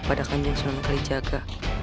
pada kenjeng sunung kalijaga